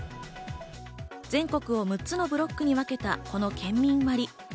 全国を６つのブロックに分けたこの県民割。